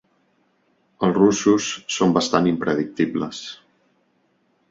Els russos són bastant impredictibles.